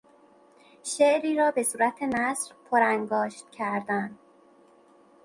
شعری را به صورت نثر پرانگاشت کردن